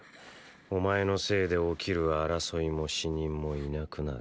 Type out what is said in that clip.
お前のせいで起きる争いも死人もいなくなる。